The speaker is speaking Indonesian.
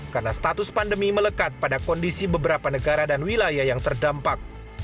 karena status pandemi melekat pada kondisi beberapa negara dan wilayah yang terdampak